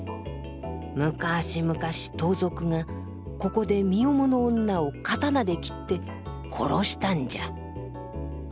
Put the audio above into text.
むかし昔盗賊がここで身重の女を刀で斬って殺したんじゃ。